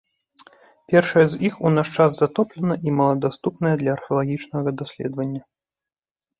Першая з іх у наш час затоплена і мала даступная для археалагічнага даследавання.